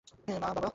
মা, বাবা!